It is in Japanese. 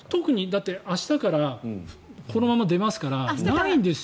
だって、明日からこのまま出ますからないんですよ。